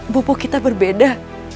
bopo kita berbeda